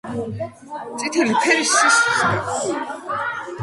წითელი ფერი სისხლს გავს